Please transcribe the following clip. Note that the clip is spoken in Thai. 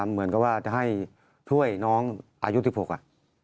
เหมือนกับว่าจะให้ช่วยน้องอายุ๑๖อ่ะ